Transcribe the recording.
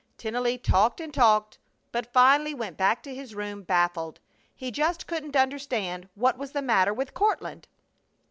Tennelly talked and talked, but finally went back to his room baffled. He just couldn't understand what was the matter with Courtland!